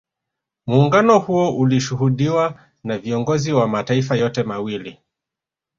Muungano huo ulishuhudiwa na viongozi wa mataifa yote mawili